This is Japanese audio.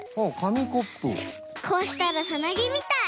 こうしたらサナギみたい。